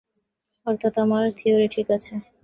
অর্থাৎ আমার থিওরি কি ঠিক আছে?